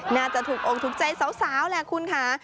น่าจะถูกอกถูกใจสาวแหละคุณค่ะ